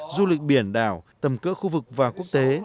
du lịch biển đảo tầm cỡ khu vực và quốc tế